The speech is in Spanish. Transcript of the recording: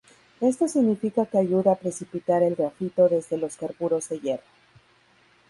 Esto significa que ayuda a precipitar el grafito desde los carburos de hierro.